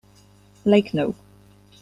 Lake No.